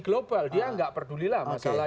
global dia nggak pedulilah masalah